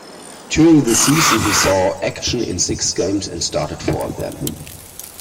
During the season, he saw action in six games and started four of them.